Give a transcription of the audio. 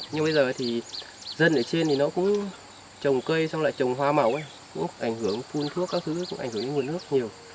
nhưng bây giờ thì dân ở trên thì nó cũng trồng cây xong lại trồng hoa màu ấy cũng ảnh hưởng phun thuốc các thứ cũng ảnh hưởng đến nguồn nước nhiều